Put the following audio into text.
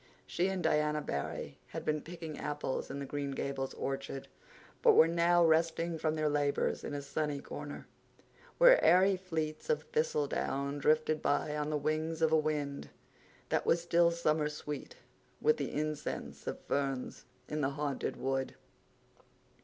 She and Diana Barry had been picking apples in the Green Gables orchard, but were now resting from their labors in a sunny corner, where airy fleets of thistledown drifted by on the wings of a wind that was still summer sweet with the incense of ferns in the Haunted Wood.